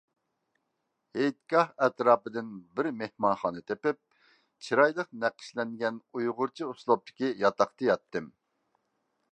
ھېيتگاھ ئەتراپىدىن بىر مېھمانخانا تېپىپ، چىرايلىق نەقىشلەنگەن ئۇيغۇرچە ئۇسلۇبتىكى ياتاقتا ياتتىم.